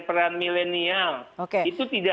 peran milenial itu tidak